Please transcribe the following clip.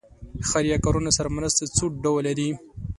خیریه کارونو سره مرستې څو ډوله دي.